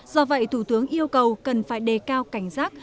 do vậy thủ tướng yêu cầu cần phải đề cao cảnh giác